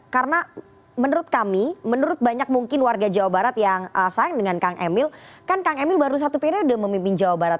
karena menurut kami menurut banyak mungkin warga jawa barat yang sayang dengan kang emil kan kang emil baru satu periode memimpin jawa barat